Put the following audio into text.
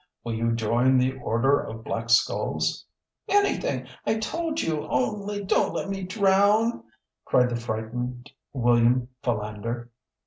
"Will you join the Order of Black Skulls?" "Anything, I told you, only don't let me drown!" cried the frightened William Philander.